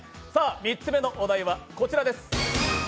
３つ目のお題はこちらです。